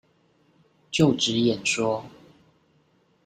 就職演說